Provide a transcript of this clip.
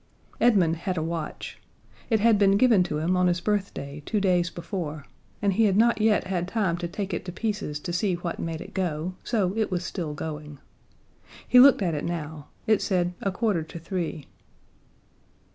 Edmund had a watch: It had been given to him on his birthday two days before, and he had not yet had time to take it to pieces and see what made it go, so it was still going. He looked at it now. It said a quarter to three.